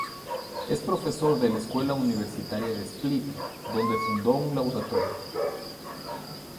Es profesor de la Escuela Universitaria de Split, donde fundó un laboratorio.